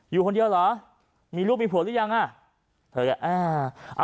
อยู่คนเดียวเหรอมีลูกมีผัวหรือยังอ่ะ